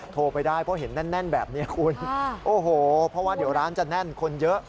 โทรไปได้เพราะเห็นแน่นแบบนี้คุณโอ้โหเพราะว่าเดี๋ยวร้านจะแน่นคนเยอะ